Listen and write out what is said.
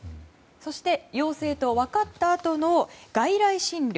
そして、陽性と分かったあとの外来診療。